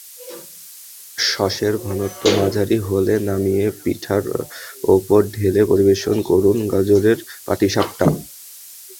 সসের ঘনত্ব মাঝারি হলে নামিয়ে পিঠার ওপর ঢেলে পরিবেশন করুন গাজরের পাটিসাপটা।